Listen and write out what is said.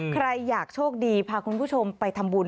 ใครอยากโชคดีพาคุณผู้ชมไปทำบุญ